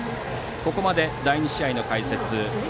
ここまで第２試合の解説